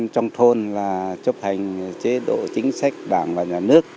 trong thôn là chấp hành chế độ chính sách đảng và nhà nước